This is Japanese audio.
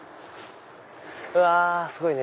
うわすごいね！